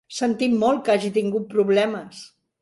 Sentim molt que hagi tingut problemes.